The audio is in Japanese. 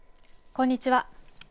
こんにちは。